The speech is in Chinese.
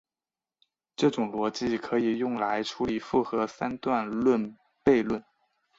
这种逻辑可以用来处理复合三段论悖论。